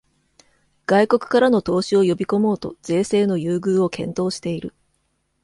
外国からの投資を呼びこもうと税制の優遇を検討している